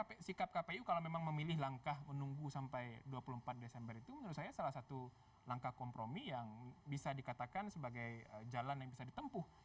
tapi sikap kpu kalau memang memilih langkah menunggu sampai dua puluh empat desember itu menurut saya salah satu langkah kompromi yang bisa dikatakan sebagai jalan yang bisa ditempuh